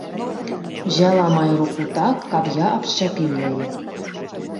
Узяла маю руку так, каб я абшчапіў яе.